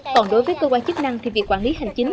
còn đối với cơ quan chức năng thì việc quản lý hành chính